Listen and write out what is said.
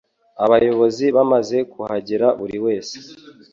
Abayobozi bamaze kuhagera buri wese